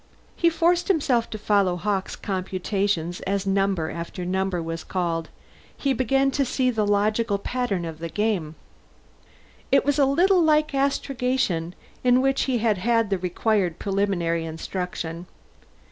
He forced himself to follow Hawkes' computations as number after number was called off. He began to see the logical pattern of the game. It was a little like astrogation, in which he had had the required preliminary instruction.